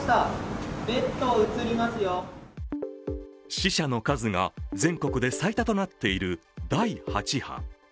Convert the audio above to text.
死者の数が全国で最多となっている第８波。